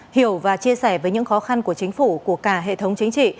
hiểu và chia sẻ với những khó khăn của chính phủ của cả hệ thống chính trị